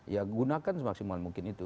ya gunakan semaksimal mungkin itu